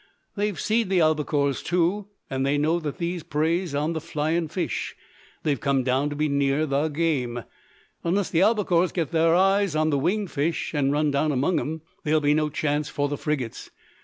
They've seed the albacores too; and as they know that these preys on the flyin' fish, they've come down to be nearer thar game. Unless the albacores get thar eyes on the winged fish, and run down among 'em, there'll be no chance for the frigates.